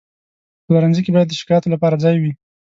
په پلورنځي کې باید د شکایاتو لپاره ځای وي.